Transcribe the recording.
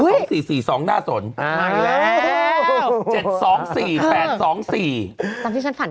ตามที่ฉันฝันได้หรอ